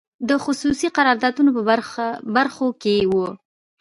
د خصوصي قراردادونو په برخو کې وو.